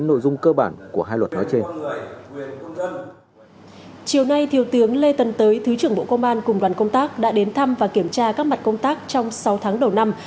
cơ quan thường trực phía nam